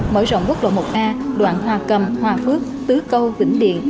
mở rộng quốc lộ một a đoạn hòa cầm hòa phước tứ câu vĩnh điện